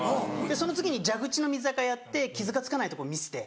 その次に蛇口の水あかやって傷が付かないとこ見せて。